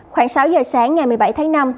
khoảng sáu giờ sáng ngày một mươi bảy tháng năm